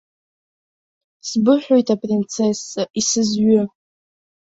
Сбыҳәоит, апринцесса, исызҩы!